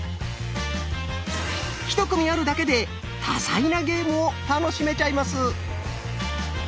１組あるだけで多彩なゲームを楽しめちゃいます。